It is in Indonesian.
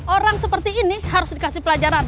orang seperti ini harus dikasih pelajaran